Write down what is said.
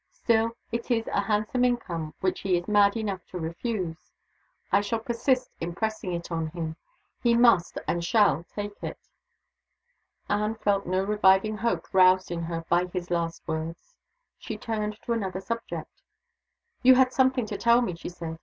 Still, it is a handsome income which he is mad enough to refuse. I shall persist in pressing it on him. He must and shall take it." Anne felt no reviving hope roused in her by his last words. She turned to another subject. "You had something to tell me," she said.